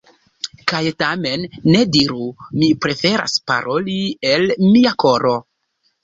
Kaj tamen, ne diru: “Mi preferas paroli el mia koro”.